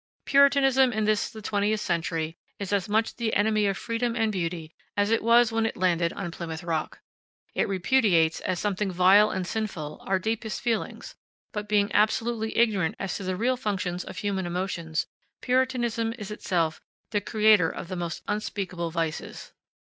Puritanism in this the twentieth century is as much the enemy of freedom and beauty as it was when it landed on Plymouth Rock. It repudiates, as something vile and sinful, our deepest feelings; but being absolutely ignorant as to the real functions of human emotions, Puritanism is itself the creator of the most unspeakable vices.